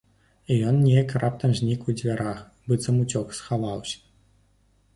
І ён неяк раптам знік у дзвярах, быццам уцёк, схаваўся.